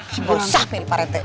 gak usah pilih para teh